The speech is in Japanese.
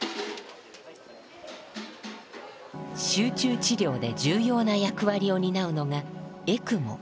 集中治療で重要な役割を担うのがエクモ。